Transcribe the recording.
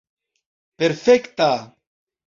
perfekta